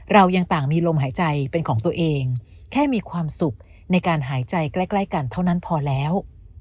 เรายังต่างมีลมหายใจเป็นของตัวเองแค่มีความสุขในการหายใจใกล้กันเท่านั้นพอแล้ว